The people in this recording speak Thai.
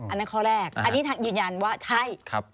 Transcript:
อันนั้นข้อแรกอันนี้ยืนยันว่าใช่